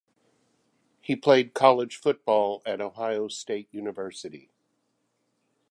He played college football at Ohio State University.